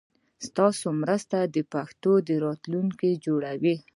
ستاسو مرسته د پښتو راتلونکی جوړوي.